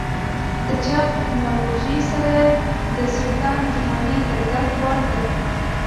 د چاپ ټکنالوژۍ سره د سلطان دښمني د درک وړ ده.